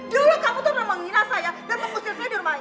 janganlah kamu terus mengira saya dan memusnahkan saya di rumah ini